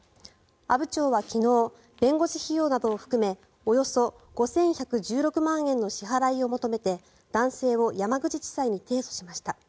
阿武町は昨日弁護士費用などを含めおよそ５１１６万円の支払いを求めて男性を山口地裁に提訴しました。